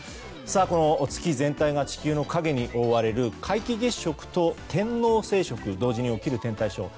この月全体が地球の影に覆われる皆既月食と天王星食同時に起きる天体ショー。